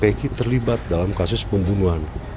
eki terlibat dalam kasus pembunuhan